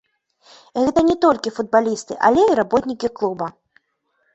І гэта не толькі футбалісты, але і работнікі клуба.